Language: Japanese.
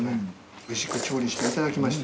おいしく調理していただきました